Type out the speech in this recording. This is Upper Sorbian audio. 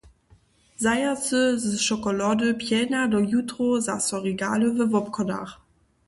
Zajacy z šokolody pjelnja do jutrow zaso regaly we wobchodach.